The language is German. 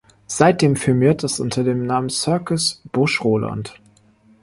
Seitdem firmiert es unter dem Namen Circus Busch-Roland.